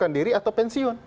bukan diri atau pensiun